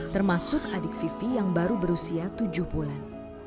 termasuk adik vivi yang baru berusia tujuh bulan